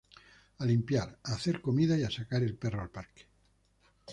A limpiar, a hacer comida y a sacar al perro al parque.